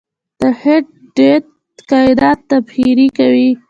د هیټ ډیت کائنات تبخیر کوي.